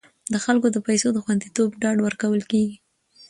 د خلکو د پیسو د خوندیتوب ډاډ ورکول کیږي.